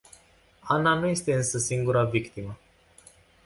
Anna nu este însă singura victimă.